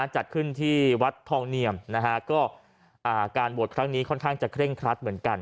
จัดขึ้นที่วัดทองเนียมนะฮะก็การบวชครั้งนี้ค่อนข้างจะเคร่งครัดเหมือนกัน